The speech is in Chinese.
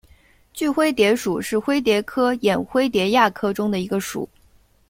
锯灰蝶属是灰蝶科眼灰蝶亚科中的一个属。